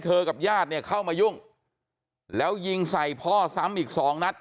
กับญาติเนี่ยเข้ามายุ่งแล้วยิงใส่พ่อซ้ำอีกสองนัด